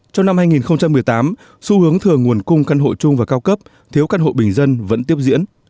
trong năm hai nghìn một mươi tám xu hướng thừa nguồn cung căn hộ chung và cao cấp thiếu căn hộ bình dân vẫn tiếp diễn